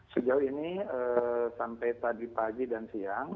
sejauh ini sampai tadi pagi dan siang